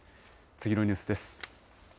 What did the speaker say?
次のニュースです。